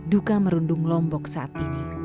duka merundung lombok saat ini